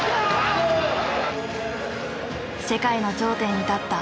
世界の頂点に立った。